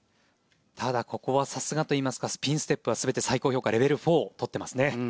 ただ、ここはさすがといいますかスピンステップは全て最高評価レベル４を取っていますね。